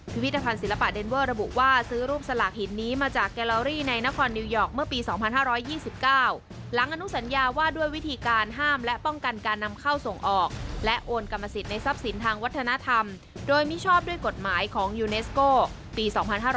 พิพิธภัณฑ์ศิลปะเดนเวอร์ระบุว่าซื้อรูปสลากหินนี้มาจากแกลลอรี่ในนครนิวยอร์กเมื่อปี๒๕๒๙หลังอนุสัญญาว่าด้วยวิธีการห้ามและป้องกันการนำเข้าส่งออกและโอนกรรมสิทธิ์ในทรัพย์สินทางวัฒนธรรมโดยมิชอบด้วยกฎหมายของยูเนสโก้ปี๒๕๕๙